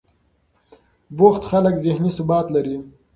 بوخت خلک ذهني ثبات لري.